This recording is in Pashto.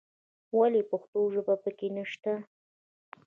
ولې پښتو ژبه په کې نه شته.